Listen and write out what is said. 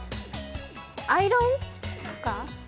アイロンとか？